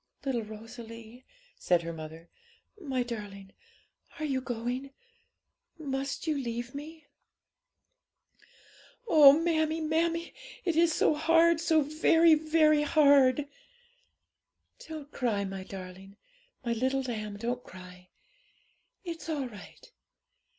'Little Rosalie,' said her mother, 'my darling, are you going? must you leave me?' 'Oh, mammie, mammie! it is so hard! so very, very hard!' 'Don't cry, my darling! my little lamb, don't cry! It's all right.